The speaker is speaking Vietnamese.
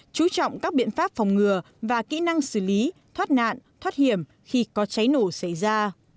chú trọng các biện pháp phòng ngừa và kỹ năng xử lý thoát nạn thoát hiểm khi có cháy nổ xảy ra